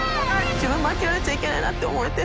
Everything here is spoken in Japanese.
自分も諦めちゃいけないなって思えて。